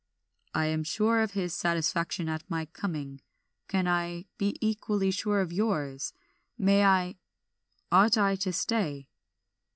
"I am sure of his satisfaction at my coming, can I be equally sure of yours. May I, ought I to stay?"